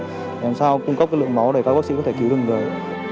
để làm sao cung cấp cái lượng máu để các bác sĩ có thể cứu đừng đời